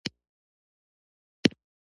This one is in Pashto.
دین وګړو ته هوساینه ورډالۍ کړې ده.